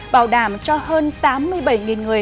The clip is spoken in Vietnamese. bảo đảm cho hơn tám mươi bảy người